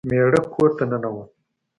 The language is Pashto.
میړه کور ته ننوت.